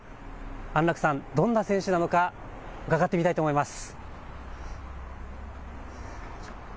安楽さん、どんな選手なのか伺ってみたいと思います。